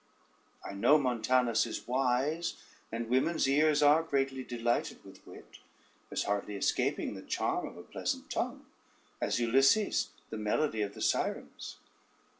I know Montanus is wise, and women's ears are greatly delighted with wit, as hardly escaping the charm of a pleasant tongue, as Ulysses the melody of the Sirens.